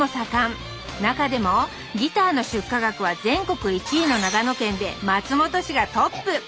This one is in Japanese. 中でもギターの出荷額は全国１位の長野県で松本市がトップ！